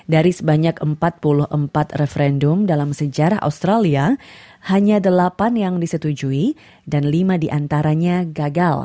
dari sebanyak empat puluh empat referendum dalam sejarah australia hanya delapan yang disetujui dan lima diantaranya gagal